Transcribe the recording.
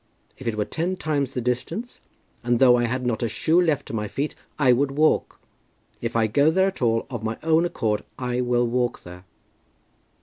If it were ten times the distance, and though I had not a shoe left to my feet I would walk. If I go there at all, of my own accord, I will walk there."